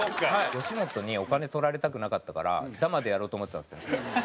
吉本にお金取られたくなかったからダマでやろうと思ってたんですよ。